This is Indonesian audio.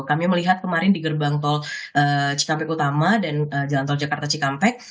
kami melihat kemarin di gerbang tol cikampek utama dan jalan tol jakarta cikampek